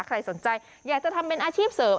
ใครสนใจอยากจะทำเป็นอาชีพเสริม